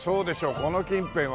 この近辺はもう。